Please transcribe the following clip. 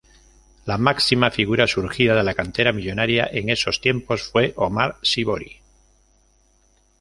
La máxima figura surgida de la cantera millonaria en esos tiempos fue Omar Sívori.